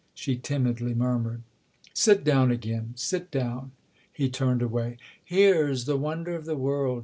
" she timidly murmured. " Sit down again ; sit down !" He turned away. " Here's the wonder of the world